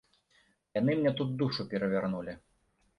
Яны мне тут душу перавярнулі.